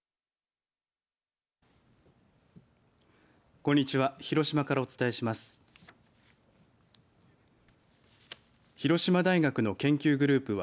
こんにちは。